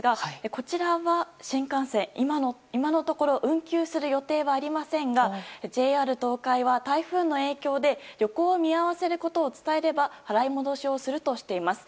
こちらは新幹線、今のところ運休する予定はありませんがＪＲ東海は台風の影響で旅行を見合わせることを伝えれば払い戻しをするとしています。